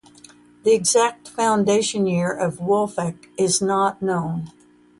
The exact foundation year of Wolfach is not known.